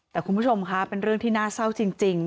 แต่คุณผู้ชมค่ะเป็นเรื่องที่น่าเศร้าจริง